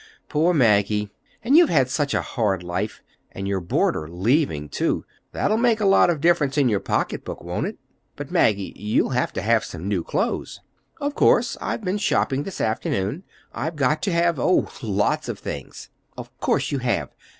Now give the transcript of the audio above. Poor Maggie! And you've had such a hard life—and your boarder leaving, too! That'll make a lot of difference in your pocketbook, won't it? But, Maggie, you'll have to have some new clothes." "Of course. I've been shopping this afternoon. I've got to have—oh, lots of things." "Of course you have.